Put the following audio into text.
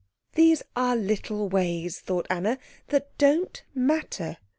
"These are little ways," thought Anna, "that don't matter."